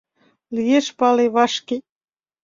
Лиеш пале вашке